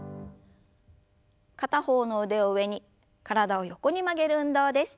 片方の腕を上に体を横に曲げる運動です。